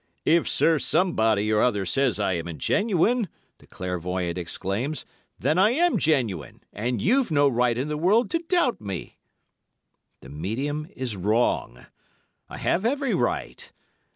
"If Sir somebody or other says I am genuine," the clairvoyant exclaims, "then I am genuine, and you've no right in the world to doubt me." The medium is wrong. I have every right.